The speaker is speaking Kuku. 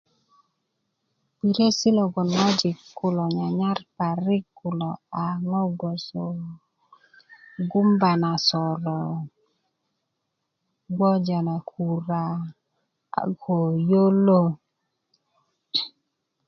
biresi logon ŋojik kulo nyanyar parik kulo a ŋo gboso gumba na soro gboja na kura a ko yolo